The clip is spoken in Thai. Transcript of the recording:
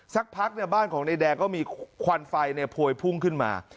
สักพักเนี่ยบ้านของในแดงก็มีควันไฟเนี่ยพวยพุ่งขึ้นมา